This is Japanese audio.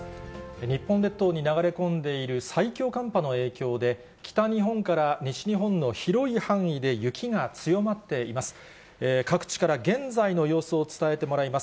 日本列島に流れ込んでいる最強寒波の影響で、北日本から西日本の広い範囲で雪が強まっています。